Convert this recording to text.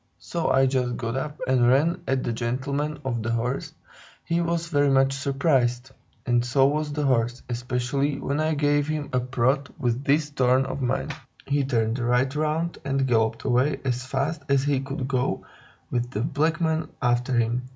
So I just got up and ran at the gentleman of the horse; he was very much surprised, and so was the horse, especially when I gave him a prod with this horn of mine. He turned right round and galloped away as fast as he could go, with the black men after him.